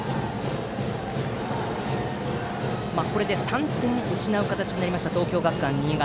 これで３点を失う形になった東京学館新潟。